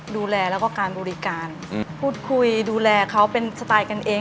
ดูแลแล้วก็การบริการพูดคุยดูแลเขาเป็นสไตล์กันเอง